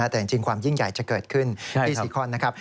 แต่จริงความยิ่งใหญ่จะเกิดขึ้นที่สิทธิคอนด์